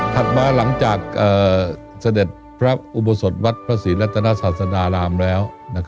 มาหลังจากเสด็จพระอุโบสถวัดพระศรีรัตนศาสดารามแล้ว